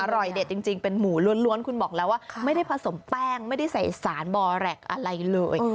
อร่อยเด็ดจริงเป็นหมูล้วนคุณบอกแล้วว่าไม่ได้ผสมแป้งไม่ได้ใส่สารบอแร็กอะไรเลย